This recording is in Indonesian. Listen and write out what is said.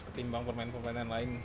ketimbang permainan permainan lain